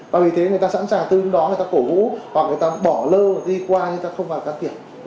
và vì thế người ta sẵn sàng từ lúc đó người ta cổ vũ hoặc người ta bỏ lơ đi qua người ta không vào can thiệp